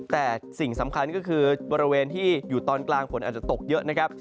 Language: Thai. แต่สิ่งสำคัญก็คือบริเวณที่อยู่ตอนกลางฝนอาจจะตกเยอะนะครับ